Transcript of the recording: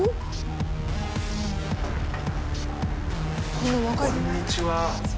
こんにちは。